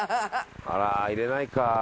あら入れないか。